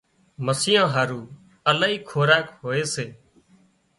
مسيان هارو الاهي خوراڪ هوئي سي